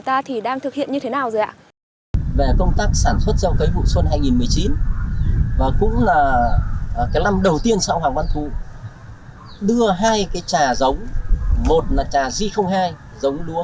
thì đã chọn an giao làm nơi tránh lũ lụt